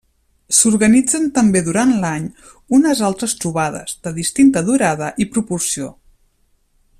S'organitzen també durant l'any unes altres trobades, de distinta durada i proporció.